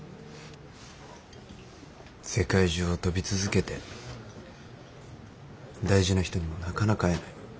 世界中を飛び続けて大事な人にもなかなか会えない。